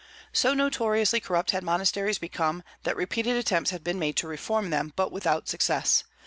So notoriously corrupt had monasteries become that repeated attempts had been made to reform them, but without success.